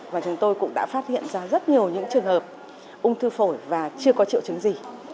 và chúng tôi cũng đã phát hiện ra rất nhiều những trường hợp ung thư phổi và chưa có triệu chứng gì